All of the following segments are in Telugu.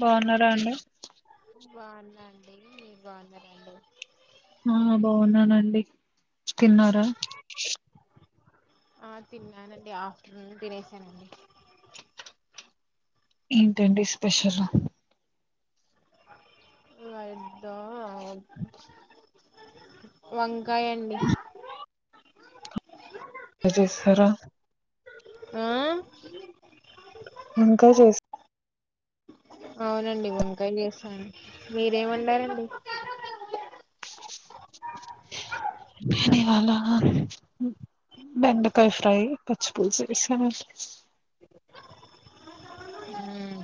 బాగున్నరా అండి బాగుంద అండి బాగున్నా రండి ఆ బాగున్నానండి తిన్నారా ఆ తిన్నానండి ఆఫ్టర్నూన్ తినేసానండి ఏంటండి స్పెషల్ ఇద్ద వ కాయండి అ చా ఆ [unintelligible] అవునండి వంకాయ చేసాను మీరెం వండరు అండి నేను ఇవ్వాళ బెండకాయ ఫ్రై పచ్చి పులుసు చేసాను మ్మ్.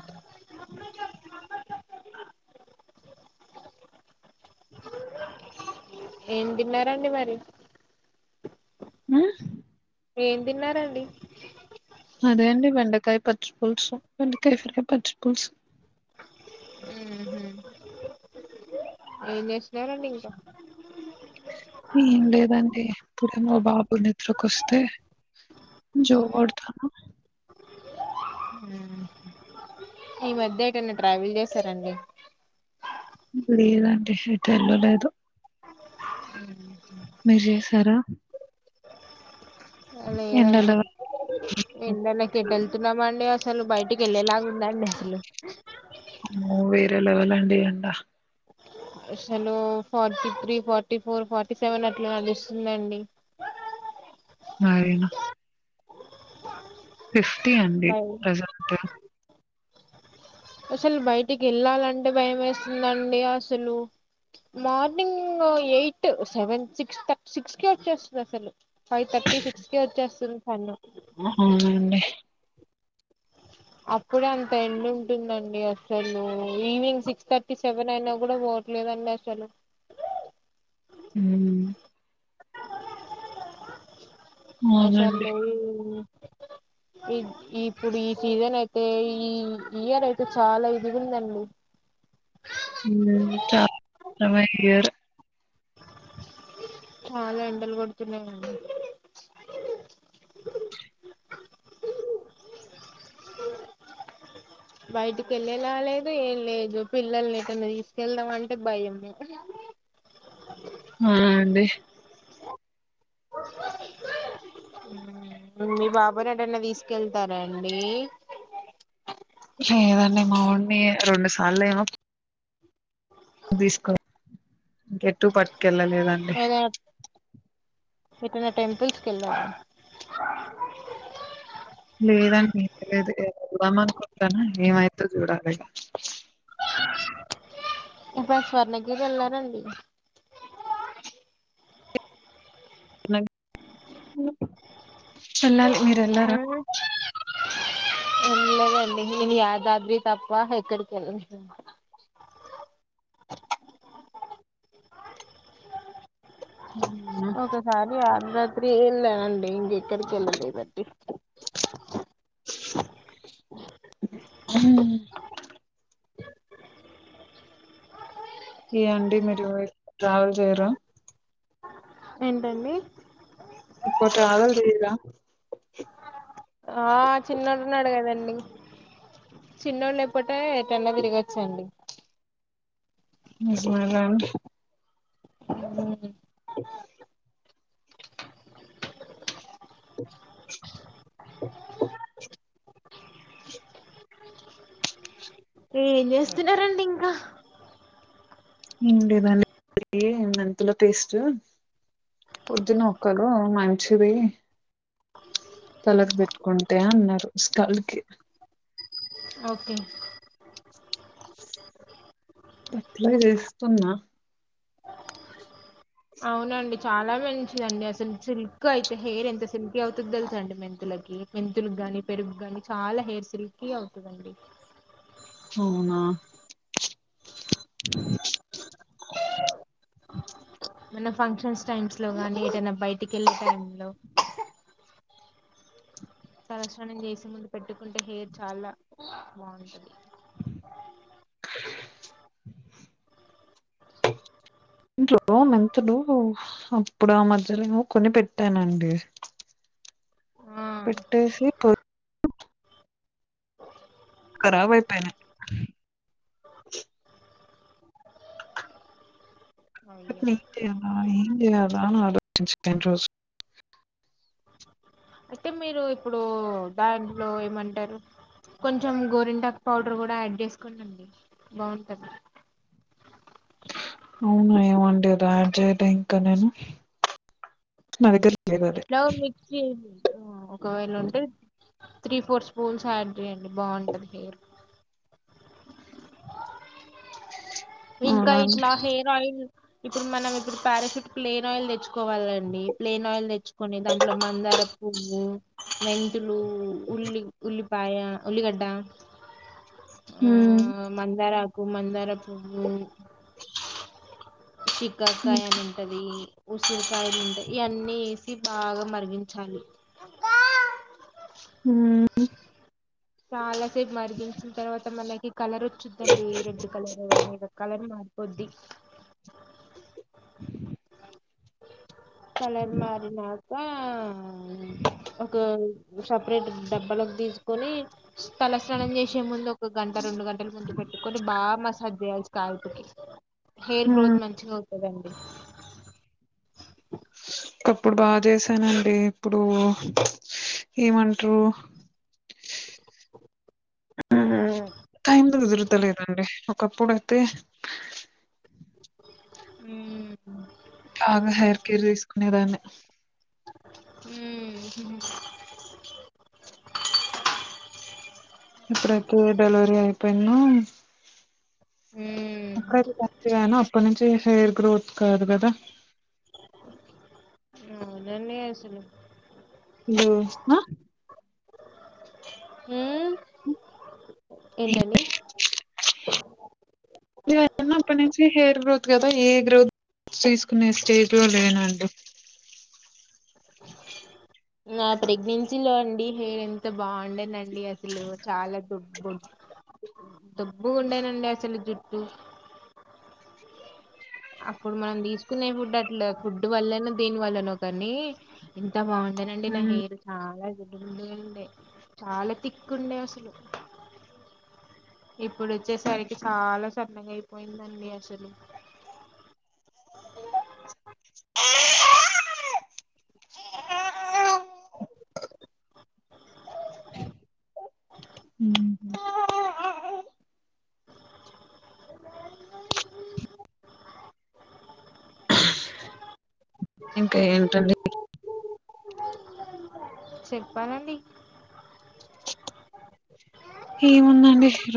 ఏం తిన్నారండి మరి ఉమ్, ఏం తిన్నారండి అదే అండి బెండకాయ పచ్చిపుల్సు బెండకాయ ఫ్రై పచ్చపుల్సు ఏం చేసు లేదండి ఇంకా ఏం లేదండి ఇప్పుడేమో బాబు నిద్రకోస్తే జో కొడతానా ఈ మధ్య ఎటనా ట్రావెల్ చేశారండి ఇప్పుడేదంటే షట్టర్లు లేదు మీరు చేసారా లేదండి ఎండలో ఎండలకి ఏట్ వెళ్తున్నామండి అసల్ అసలు బయటికి వెళ్ళేలాగా ఉందండి అసలు, అమ్మో వేరే లెవెల్ అండి ఎండ అసలు forty three forty four forty seven అట్లా నడుస్తుందండి. సరేనా థీ అండి బై ప్రజెంట్ అసలు బయటికి వెళ్ళాలంటే భయం వేస్తుందండి అసలు morning eight seven six six కె వచ్చేస్తుంది అసలు ఫైవ్ థర్టీ సిక్స్ కె వచ్చేస్తుంది సన్న అవునండి అప్పుడే అంత ఎండు ఉంటుందండి అసలు ఈవినింగ్ సిక్స్ థర్టీ సెవెన్ అయిన కూడా పోవట్లేదండి అసలు హ్మ్ అవునండి. అస్సలు ఈ ఇప్పుడు ఈ సీజన్ అయితే ఈ ఇయర్ అయితే చాలా ఇదిగుందండి. [inaudible] చాలా ఎండలు పడుతున్నాయి అండి బయటికి వెళ్ళేలా లేదు ఏం లేదు పిల్లలని ఏటన్నా తీసుకెళ్దామంటే భయమే ఆ అండి మీ బాబా నటన్న తీసుకెళ్తారాండి. లేదండి మావోన్ని రెండు సార్లు ఏమో దిస్కో గెట్టు పట్ ఏదైనా ఏటన్న టెంపుల్స్ కెల్లా లేదండి లేదు ఎల్దం అనుకుంటాను ఏమైద్దో చూడాలే ఈపారి స్వర్ణగిరి ఎల్లారండి నాకు ఊ వెళ్లాలి మీరు వెళ్ళేరా వెళ్లలేదండి నేను యాదాద్రి తప్ప ఎక్కడికి వెళ్ళలేద్ ఓక సారీ ఆ [unintelligible] ఎక్కడికెళ్లలేదండి హ ఏ అండి మీరు ట్రావెల్ చేయరా ఏంటండి ఎక్కువ ట్రావెల్ చేయరా ఆ చిన్నోడు ఉన్నాడు గదాఅండి చిన్నోడు లేకపోతే అతే ఎటన్నా తిరిగొచ్చండి మస్మగడ్ ఊ [inaudible] ఏం చేస్తున్నారండి ఇంకా ఇడి దాన్ని మెంతుల పేస్ట్ పొద్దునొక్కలు మంచిది తలకి పెట్టుకుంటే అన్నారు స్కల్కి ఓకే అట్లాగే చేస్తున్నా అవునండి చాలా మంచిదండి అసలు సిల్క్ అయితే హెయిర్ ఎంత సిల్కీ అవుతుందో తెలుస అండి మెంతులకి మెంతులకి గాని పెరుగు గాని చాలా హెయిర్ సిల్కీ అవుతుందండి అవునా మన ఫంక్షన్స్ టైమ్స్ లో గానీ ఏదైనా బయటిక వెళ్ళే టైమ్ లో తలస్నానం చేసే ముందు పెట్టుకుంటే హెయిర్ చాలా బాగుంటది [inaudible] ఇంట్లో మెంతులుఅప్పుడు ఆ మధ్యలో ఏమో కొని పెట్టానండి ఆ! పెట్టేసి పో కరాబ్ అయిపోయినాయి అయ్యో! ఏం చేయాలా ఏం చేయాలా అని ఆలోచించండి రోజులు అయితే మీరు ఇప్పుడు దాంట్లో ఏమంటారు కొంచెం గోరింటకు పౌడర్ కూడా యాడ్ చేసుకోండి బాగుంటుంది అవునా ఏమోండీ అది యాడ్ చేయల ఇంకా నేను నా దగ్గర లేదు అది ఎట్లాగో మిక్స్ చే ఒకవేళ ఉంటే త్రీ ఫోర్ స్పూల్స్ యాడ్ చేయండి బాగుంటది హెయిర్ ఇంకా అవునా అండి ఇట్లా హెయిర్ ఆయిల్ ఇప్పుడు మనం ఇప్పుడు పారాషూట్ ప్లేయిన్ ఆయిల్ తెచ్చు కోవాలండి ప్లేన్ ఆయిల్ తెచ్చు కొన్ని దాంట్లో మందార పువ్వు మే లు ఉల్లి ఉల్లి పయ ఉల్లిగడ్డ ఆ మందారాకు పు మందారపువ్వు శిఖకాయ అని ఉంటది ఉసిరికాయలు ఈ ఎన్ని ఏసీ ఇది బాగా మరిగించాలి హ్మ్ చాలా సేపు మరిగించిన తర్వాత మనకి కలర్ వచ్చద్దండి రెడ్ కలరు అని కలర్ని మారిపోద్ది కలర్ మారిన ఆ ఒక సపరేట్ డబ్బలకి తీ కొని తల స్నానం చేసే ముందు ఒక గంట రెండు గంటల ముందు పెట్టుకొని బాగా మసాజ్ చేయాల్సిది కాయలతోటి హెయిర్ గ్రోత్ మంచిగా అవ్ కదండి ఒకప్పుడు బాగా చేసానండి ఇప్పుడు ఏమంట్రు టైం కుదురతలేదండి ఒకప్పుడైతే ఉమ్ ఉమ్ బాగా హెయిర్ కేర్ తీసుకునేదాన్ని ఉమ్ ఇప్పుడైతే డెలివరీ అయిపోయిన్నో అని మ్మ్. మంచిగానే వస్తున్నాయి చేసే గ్రోత్ కాదు కదా ఆ నిన్న అస య్యో ఆ ఉమ్ ఏంటండి నేను పుట్టినప్పటి నుంచి హెయిర్ గ్రోత్ కదా ఏ గ్రోత్ తీసుకునే స్టేజ్ లో లేనండి నా ప్రెగ్నెన్సీలో అండి హెయిర్ ఎంత బాగుండేనండి అసలు చాలా దుడ్డ్ పొడవు దొబ్బుగుండేనండి అసలు జుట్ ట్టు అప్పుడు మనం తీసుకునే ఫుడ్ అట్లా ఫుడ్ వల్లన దేని వల్లనో కానీ ఇ బాగుండే అండి నా ఉమ్ హెయిర్ చాలా [unintelligible] చాలా తిక్కుండే అసలు ఇప్పుడు వచ్చేసరికి చాలా సరన్నగా అయిపోయిందండి అసలు [unintelligible] ఇంకా ఏంటండి చెప్పాలండి ఏముందండి రోటీనే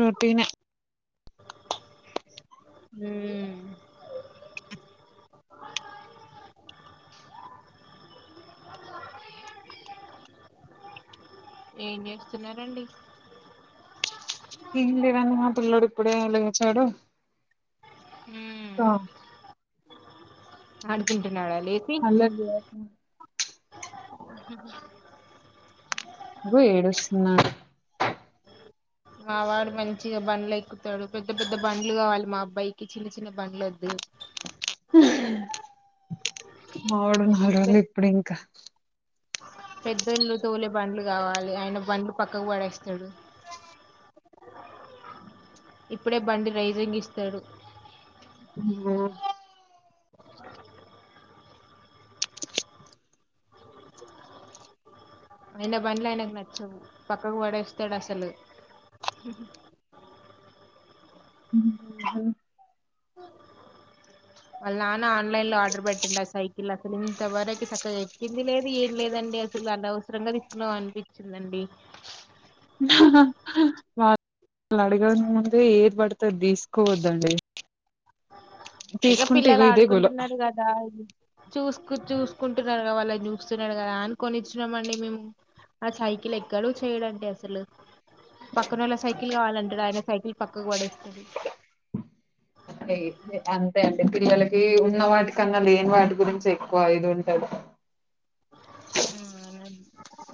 హు ఏం చేస్తున్నారండి ఏం లేదండి మా పిల్లడు ఇప్పుడే లేచ్చాడు మ్మ్ ఆ అడుకుంట [unintelligible] గో ఏడుస్తున్నారు మా వాడు మంచిగా బండ్లు ఎక్కుతాడు పెద్ద పెద్ద బండ్లు గావాలి మా అబ్బాయికి చిన్న చిన్న బండ్లొద్దు మవుడున్న ఆవిడెవరో పె- ఇప్పుడు ఇంకా పెద్దోళ్ళు తోలే బండ్లు కావాలి ఆయన బండ్లు పక్కకు పడేస్తాడు ఇప్పుడే బండి రైజింగ్ ఇస్తాడు ఆయన బండ్లు ఆయనకు నచ్చవు పక్కకు పడేస్తాడు అసలు ఆళ్ళ నాన్న ఆన్లైన్ లో ఆర్డర్ పెట్టిండా సైకిల్ అసలు ఇంతవరకి సక్కగా ఎక్కింది లేదు ఏం లేదండి అసలు అనవసరంగా తీసున్నావు అనిపించిందండి వాళ్ళు అడగ ముందే ఏది పడతే తీసుకోవద్దండి ఇక తీసుకుంటే పిల్లలు ఇగో ఇదే గోల ఆడుకుంటున్నారు గదా చూస్కు చూసుకుంటున్నారు గదా వా చూస్తున్నాడు గదా అని కొనిచ్చినామండి మేము ఆ సైకిల్ ఎక్కడు చేయడండి అసలు పక్కనోళ్ల సైకిల్ కావాలంటాడు ఆయన సైకిల్ పక్కకు పడేసి ఇ అంతే అండి పిల్లలకి ఉన్న వాటికన్నా లేని వాటి గురించి ఎక్కువ ఇది ఉంటది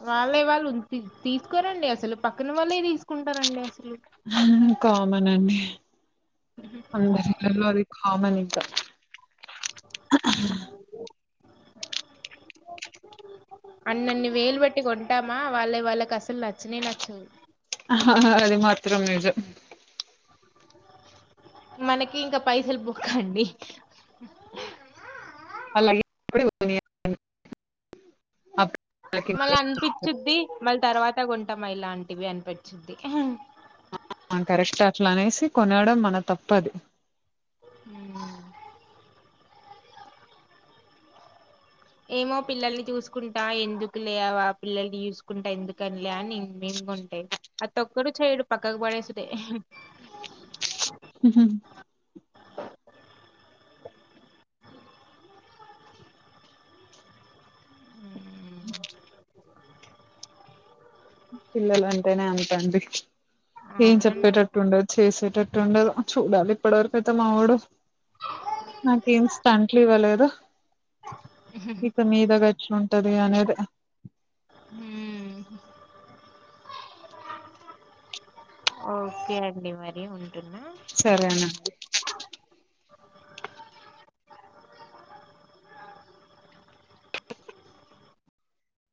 వాళ్ళే వాళ్ళు ఉమ్తీ తీసుకోరండి అసలు పక్కన వాల్లే తీసుకుంటారంండి అసలు కామన్ అండి అందరిలలో అది కామన్ కా అన్నన్ని వేలుబట్టి కొంటామా వాళ్ళవి వాళ్ళకసలు నచ్చినే నచ్చవు అహహ అది మాత్రం నిజం మనకి ఇంకా పైసలు బొక్కండి అలాగే [unintelligible] మళ్ళీ అనిపిచ్చింది మళ్ళీ తర్వాత గోంటమ ఇలాంటివి అనిపిచ్చింది అహ కరెస్ట్ అట్లా అనేసి కొనడం మన తప్పది హ్మ్ ఏమో పిల్లల్ని చూసుకుంటా ఎందుకు లేవా పిల్లల్ని చూసుకుంటా ఎందుకనిలే అని మేమి కొంటాయి అతి ఒక్కడు చెయడు పక్కకు పడేసుడే ఉమ్. పిల్లలంటేనే అంతండి ఏం అవునండి చెప్పేటట్టుండదు చేసేట ఉండదు చూడాలి ఇప్పటివరకయితే మావోడు నాకేం స్టంట్లు ఇవ్వలేదు ఇక మీదగాచ్చం సది అనేది ఊ ఓకే అండి మరి ఉంటున్నా సరే అనా